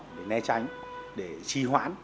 để ne tránh để trì hoãn